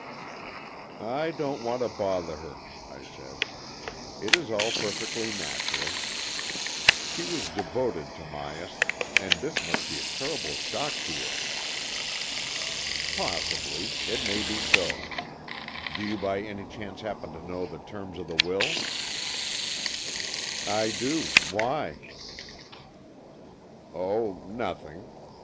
" I don't want to bother her," I said. " It is all perfectly natural. She was devoted to Myas, and this must be a terrible shock to her." " Possibly. It may be so. Do you by any chance happen to know the terms of the will?" 94 AN EXCHANGE OF SOULS ''I do. Why?'' " Oh, nothing.